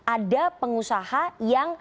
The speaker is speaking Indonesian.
ada pengusaha yang